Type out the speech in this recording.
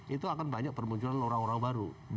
itu akan banyak bermunculan orang orang baru